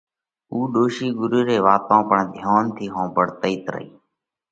اُو ڏوشِي ڳرُو ري واتون پڻ ڌيونَ ٿِي ۿومڀۯتئِيت رئِي۔